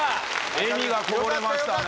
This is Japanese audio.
笑みがこぼれましたね。